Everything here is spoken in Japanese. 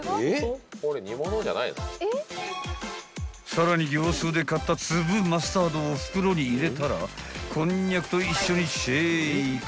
［さらに業スーで買った粒マスタードを袋に入れたらこんにゃくと一緒にシェイク］